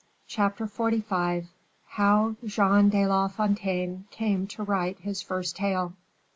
Chapter XLV. How Jean de La Fontaine Came to Write His First Tale.